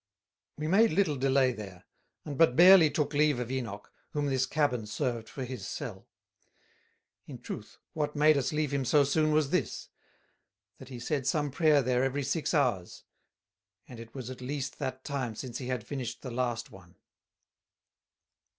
We made little delay there, and but barely took leave of Enoch, whom this cabin served for his Cell; in truth what made us leave him so soon was this: that he said some prayer there every six hours; and it was at least that time since he had finished the last one.